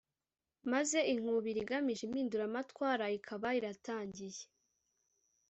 maze inkubiri igamije impinduramatwara ikaba iratangiye